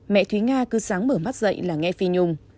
mẹ thúy nga cứ sáng mở mắt dậy là nghe phi nhung